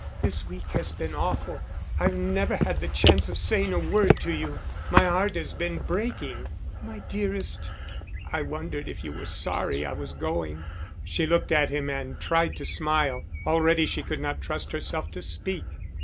"This week has been awful. I've never had the chance of saying a word to you. My heart has been breaking." "My dearest." "I wondered if you were sorry I was going." She looked at him and tried to smile; already she could not trust herself to speak.